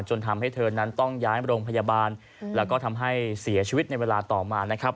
ทำให้เธอนั้นต้องย้ายโรงพยาบาลแล้วก็ทำให้เสียชีวิตในเวลาต่อมานะครับ